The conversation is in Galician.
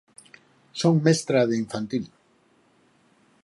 Son mestra de infantil.